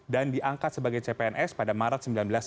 diangkat sebagai cpns pada maret seribu sembilan ratus sembilan puluh